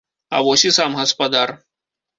А вось і сам гаспадар.